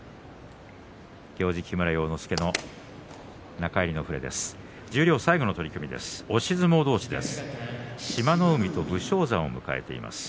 行司、木村要之介の中入りの触れでした。